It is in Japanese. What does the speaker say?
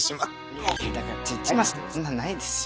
いやだからち違いますってそんなないです。